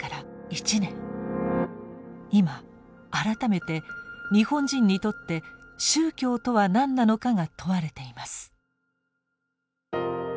今改めて「日本人にとって宗教とは何なのか？」が問われています。